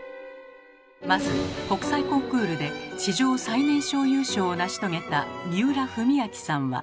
まず国際コンクールで史上最年少優勝を成し遂げた三浦文彰さんは。